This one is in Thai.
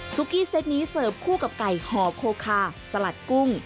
กี้เซ็ตนี้เสิร์ฟคู่กับไก่หอบโคคาสลัดกุ้ง